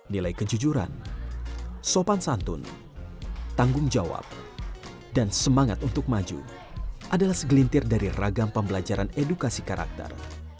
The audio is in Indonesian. nilai kejujuran sopan santun tanggung jawab dan semangat untuk maju adalah segelintir dari ragam pembelajaran edukasi karakter